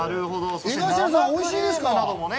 江頭さん、おいしいですか？